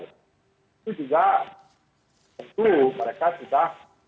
itu juga tentu mereka juga hop hop yang menyangkut pesawat sendiri mbak